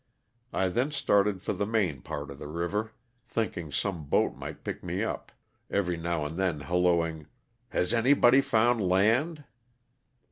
I then started for the main part of the river, think ing some boat might pick me up, every now and then hallooing, *' has anybody found land?"